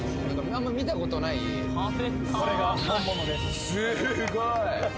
あんま見たことないこれがすごい！